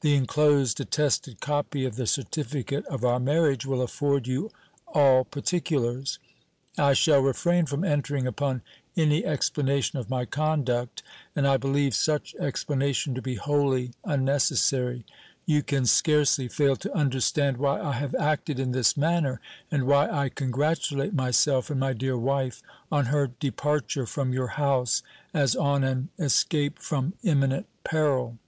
The enclosed attested copy of the certificate of our marriage will afford you all particulars. I shall refrain from entering upon any explanation of my conduct; and I believe such explanation to be wholly unnecessary. You can scarcely fail to understand why I have acted in this manner, and why I congratulate myself and my dear wife on her departure from your house as on an escape from imminent peril.